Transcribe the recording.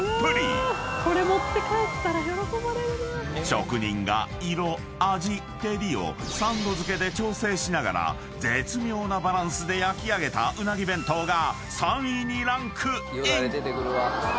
［職人が色味照りを３度づけで調整しながら絶妙なバランスで焼き上げたうなぎ弁当が３位にランクイン！］